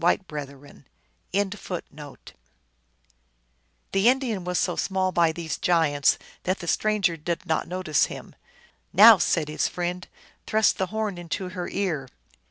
241 The Indian was so small by these giants that the stranger did not notice him. " Now," said his friend, " thrust the horn into her ear